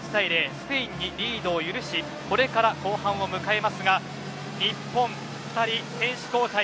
スペインにリードを許しこれから後半を迎えますが日本は２人選手交代。